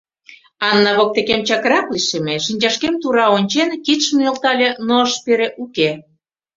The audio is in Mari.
Анна воктекем чакрак лишеме, шинчашкем тура ончен, кидшым нӧлтале, но ыш пере, уке.